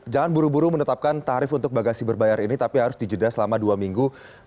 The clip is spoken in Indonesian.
jangan buru buru menetapkan tarif untuk bagasi berbayar ini tapi harus dijeda selama dua minggu